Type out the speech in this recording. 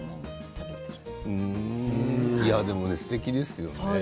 でも、すてきですよね。